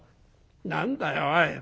何だよおい！